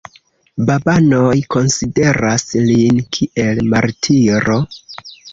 Babanoj konsideras lin kiel martiro.